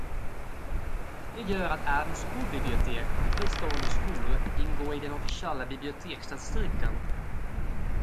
Det gör att även skolbibliotek på fristående skolor ingår i den officiella biblioteksstatistiken.